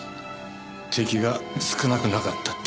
敵が少なくなかったってことか。